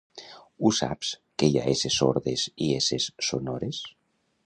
Ho saps que hi ha esses sordes i esses sonores?